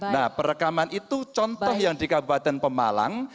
nah perekaman itu contoh yang di kabupaten pemalang